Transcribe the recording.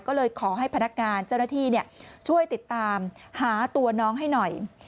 ก็เลยขอให้พนักงานเจ้าหน้าที่ช่วยติดตามหาตัวน้องให้หน่อย